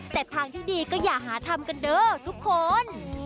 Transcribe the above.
แต่ทางที่ดีก็อย่าหาทำกันเด้อทุกคน